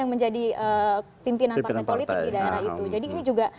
yang menjadi pimpinan partai politik di daerah itu